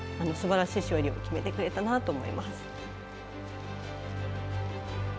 すばらしい勝利を決めてくれたなと思います。